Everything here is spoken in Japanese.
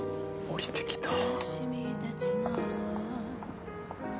おりてきた。